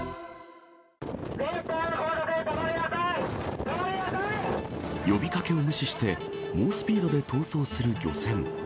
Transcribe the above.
止まりなさい、止まりなさい、呼びかけを無視して、猛スピードで逃走する漁船。